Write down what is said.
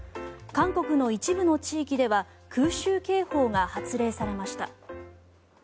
韓国の一部の地域では空襲警報が発令されました。